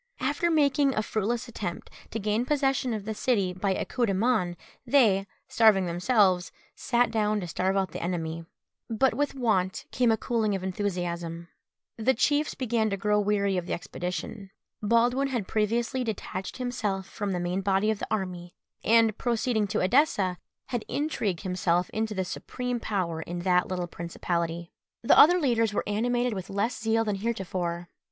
After making a fruitless attempt to gain possession of the city by a coup de main, they, starving themselves, sat down to starve out the enemy. But with want came a cooling of enthusiasm. The chiefs began to grow weary of the expedition. Baldwin had previously detached himself from the main body of the army, and, proceeding to Edessa, had intrigued himself into the supreme power in that little principality. The other leaders were animated with less zeal than heretofore.